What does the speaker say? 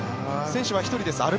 選手は１人です。